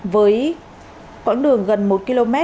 với quãng đường gần một km